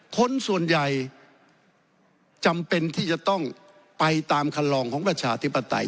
คนส่วนใหญ่จำเป็นที่จะต้องไปตามคันลองของประชาธิปไตย